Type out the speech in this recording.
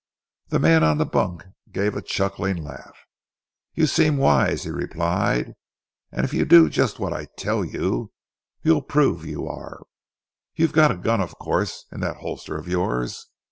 The man on the bunk gave a chuckling laugh. "You seem wise," he replied, "and if you do just what I tell you you'll prove you are. You've got a gun, of course, in that holster of yours?